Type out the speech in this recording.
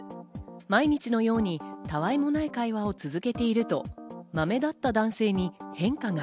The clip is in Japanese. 毎日のように、他愛もない会話を続けていると、マメだった男性に変化が。